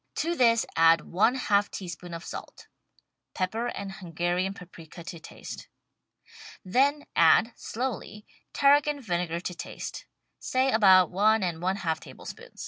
To this add one half teaspoon of salt — pepper and Hun garian paprika to taste. Then add, slowly. Tarragon vinegar to taste — say about one and one half tablespoons.